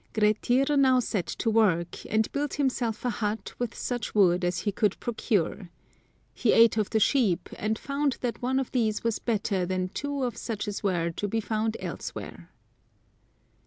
Grettir now set to work, and built himself a hut with such wood as he could procure. He ate of the sheep, and found that one of these was better than two of such as were to be found elsewhere.